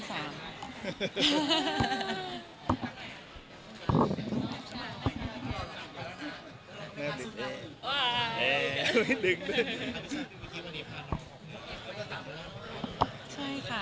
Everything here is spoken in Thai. ใช่ค่ะ